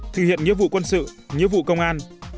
thực hiện nhiệm vụ quân sự nhiệm vụ công an